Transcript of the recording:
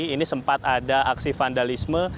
ini sempat ada aksi vandalisme